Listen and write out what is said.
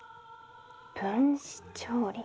分子調理。